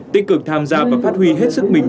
tích cực tham gia và phát huy hết sức mình